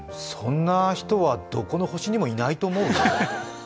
そんな人はどこの星にもいないと思うよ。